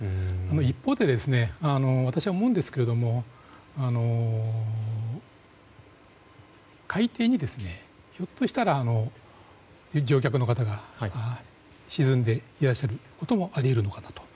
一方で、私は思うんですが海底にひょっとしたら乗客の方が沈んでいらっしゃることもあり得るのかなと。